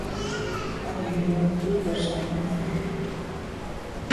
اب یہ لوگ کھل کر سامنے آ رہے ہیں